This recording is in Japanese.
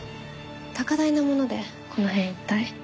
高台なものでこの辺一帯。